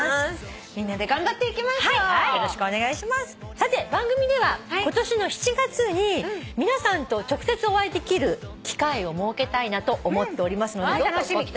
さて番組では今年の７月に皆さんと直接お会いできる機会を設けたいなと思っておりますのでどうぞご期待ください。